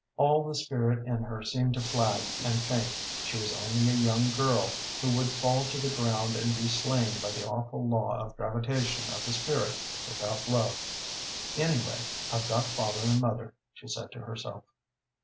All the spirit in her seemed to flag and faint. She was only a young girl, who would fall to the ground and be slain by the awful law of gravitation of the spirit without love. "Anyway, I've got father and mother," she said to herself.